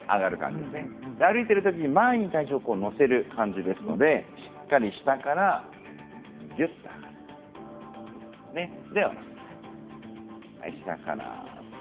歩いてる時に前に体重を乗せる感じですのでしっかり下からぎゅっとそして下ろす。